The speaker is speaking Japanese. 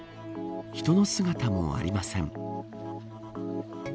人の姿もありません。